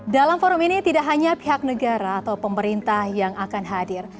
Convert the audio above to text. dalam forum ini tidak hanya pihak negara atau pemerintah yang akan hadir